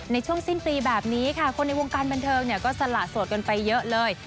ในช่วงสิ้นปีแบบนี้ค่ะคนในวงการบันเทิงเนี่ยก็สละโสดกันไปเยอะเลย